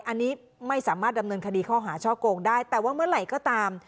อันนี้ไม่สามารถดำเนินคดีข้อหาช่อโกงได้แต่ว่าเมื่อไหร่ก็ตาม